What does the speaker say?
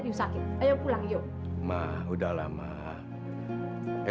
besok kita urus sama makamannya